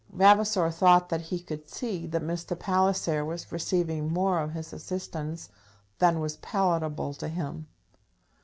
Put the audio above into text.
Vavasor thought that he could see that Mr. Palliser was receiving more of his assistance than was palatable to him.